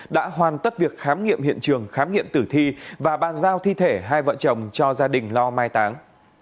đã hoàn tất việc khám nghiệm hiện trường khám nghiệm tử thi và bàn giao thi thể hai vợ chồng cho gia đình lo mai táng